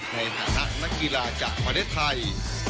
ในฐานะนักกีฬาจากประเทศไทย